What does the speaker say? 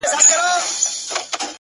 ژړا مي وژني د ژړا اوبـو تـه اور اچـوي،